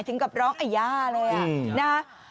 ถึงกับร้องอ่าย่าและ